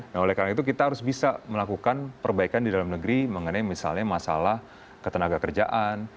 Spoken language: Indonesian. nah oleh karena itu kita harus bisa melakukan perbaikan di dalam negeri mengenai misalnya masalah ketenaga kerjaan